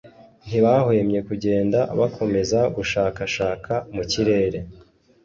ntibahwemye kugenda bakomeza gushakashaka mu kirere